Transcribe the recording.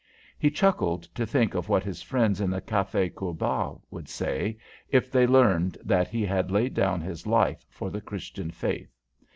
He chuckled to think of what his friends in the Café Cubat would say if they learned that he had laid down his life for the Christian faith.